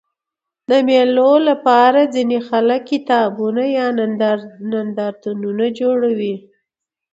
د مېلو له پاره ځيني خلک کتابتونونه یا نندارتونونه جوړوي.